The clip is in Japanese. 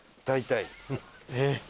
大体。